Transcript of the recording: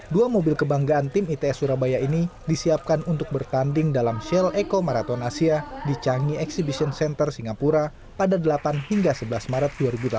dua mobil kebanggaan tim its surabaya ini disiapkan untuk bertanding dalam shell eco marathon asia di changi exhibition center singapura pada delapan hingga sebelas maret dua ribu delapan belas